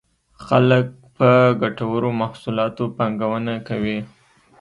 خلک په ګټورو محصولاتو پانګونه کوي.